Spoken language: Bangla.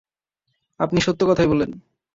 আপনি সত্য কথাই বললেন।